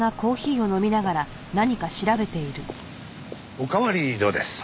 おかわりどうです？